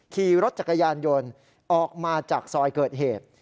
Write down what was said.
ขี่รถจักรยานยนต์ออกมาจากซอยเกิดเหตุ